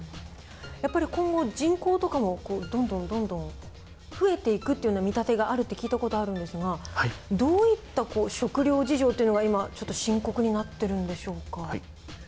やっぱり今後人工とかもどんどんどんどん増えていくというような見立てがあるって聞いた事あるんですがどういった食料事情っていうのが今深刻になってるんでしょうか？